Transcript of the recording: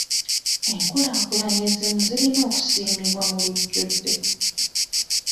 Enkulaakulana ezimu zirina okusiimibwa mu lujjudde.